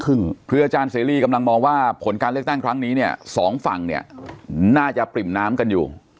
คืออาจารย์เสรีกำลังมองว่าผลการเลือกตั้งครั้งนี้เนี่ยสองฝั่งเนี่ยน่าจะปริ่มน้ำกันอยู่